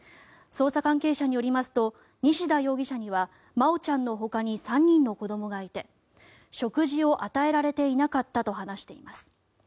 捜査関係者によりますと西田容疑者には真愛ちゃんのほかに３人の子どもがいて食事を与えられていなかったと話しています。